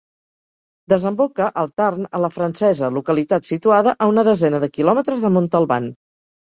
Desemboca al Tarn a La Francesa, localitat situada a una desena de quilòmetres de Montalban.